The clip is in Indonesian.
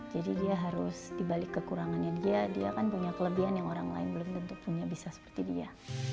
jadi dia harus dibalik kekurangannya dia dia kan punya kelebihan yang orang lain belum tentu punya bisa seperti dia